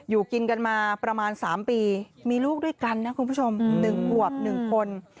อยู่กินกันมาประมาณ๓ปีมีลูกด้วยกันนะคุณผู้ชม๑ขวบ๑คน